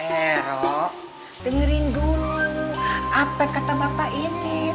hero dengerin dulu apa kata bapak ini